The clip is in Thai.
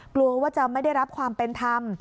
กลัวว่าจะไม่ได้รับความเป็นธรรม